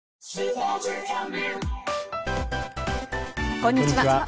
こんにちは。